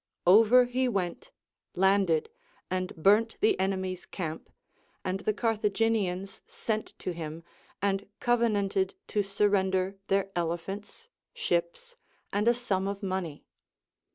Over he Avent, landed, and burnt the enemy's camp, and the Carthaginians sent to him, and covenanted to surrender their elephants, ships, and a sum of money.